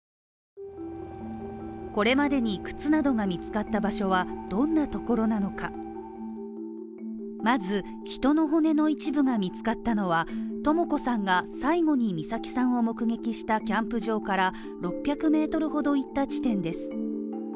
これまでに靴などが見つかった場所はどんなところなのかまず、人の骨の一部が見つかったのは、とも子さんが最後に美咲さんを目撃したキャンプ場から６００ｍほど行った地点です